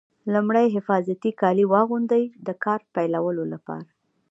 لومړی حفاظتي کالي واغوندئ د کار پیلولو لپاره.